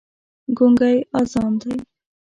ګونګی اذان دی